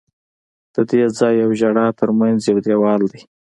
د دې ځای او ژړا ترمنځ یو دیوال دی.